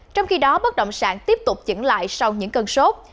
do đó bất động sản tiếp tục dẫn lại sau những cân sốt